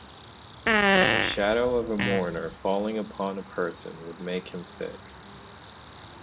The shadow of a mourner falling upon a person would make him sick.